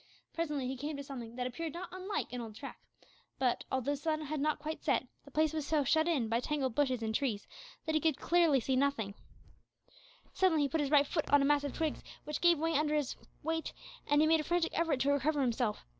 Presently he came to something that appeared not unlike an old track; but, although the sun had not quite set, the place was so shut in by tangled bushes and trees that he could see nothing distinctly. Suddenly he put his right foot on a mass of twigs, which gave way under his weight, and he made a frantic effort to recover himself.